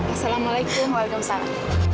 assalamualaikum walidah usara